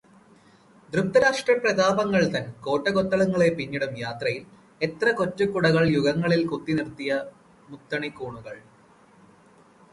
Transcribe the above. ദ്രുപ്തരാഷ്ട്ര പ്രതാപങ്ങൾതൻ കോട്ടകൊത്തളങ്ങളെപ്പിന്നിടും യാത്രയിൽ എത്ര കൊറ്റക്കുടകൾ യുഗങ്ങളിൽ കുത്തിനിർത്തിയ മുത്തണിക്കൂണുകൾ